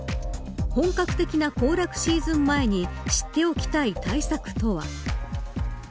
本格的な行楽シーズン前に知っておきたい対策とは。